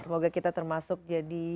semoga kita termasuk jadi